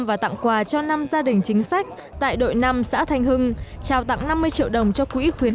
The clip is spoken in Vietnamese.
và tặng quà cho năm gia đình chính sách tại đội năm xã thanh hưng trao tặng năm mươi triệu đồng cho quỹ khuyến